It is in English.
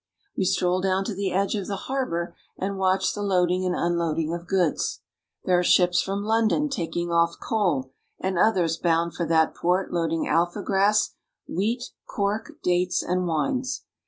We stroll down to the edge of the harbor and watch the loading and unloading of goods. There are ships from London taking off coal, and others bound for that port loading alfa grass, wheat, cork, dates, and wines.